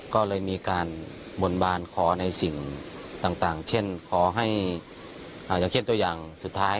ก็เลยมีการบนบานขอในสิ่งต่างเช่นตัวอย่างสุดท้าย